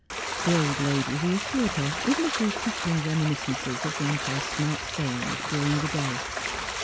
The old lady reassured her with little cackling reminis cences of Grandpa's smart sayings during the day.